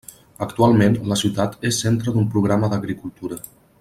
Actualment la ciutat és centre d'un programa d'agricultura.